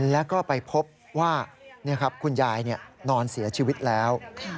แล้วก็ไปพบว่าคุณยายนอนเสียชีวิตแล้ว